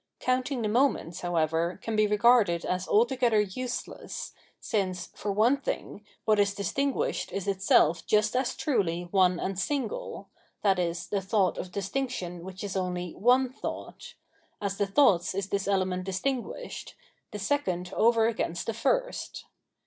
Counting the moments, however, can be regarded as altogether useless, since, for one thing, what is dis tinguished is itself just as truly one and single — viz. the thought of distinction which is only one thought — as the thought is this element distinguished, the second over against the first.